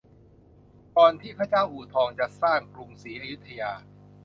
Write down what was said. ก่อนที่พระเจ้าอู่ทองจะสร้างกรุงศรีอยุธยา